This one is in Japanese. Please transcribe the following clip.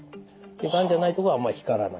がんじゃないとこはあんまり光らない。